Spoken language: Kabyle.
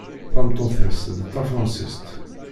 Tameṭṭut-is d tafransist.